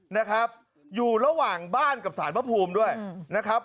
นะครับอยู่ระหว่างบ้านกับสารพระภูมิด้วยนะครับ